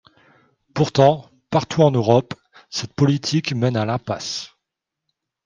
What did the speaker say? Pourtant, partout en Europe, cette politique mène à l’impasse.